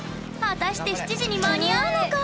果たして７時に間に合うのか？